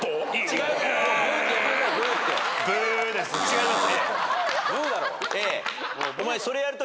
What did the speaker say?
違います。